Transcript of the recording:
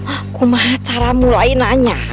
aku marah cara mulai nanya